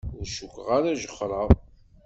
Ur cukkeɣ ara jexxreɣ.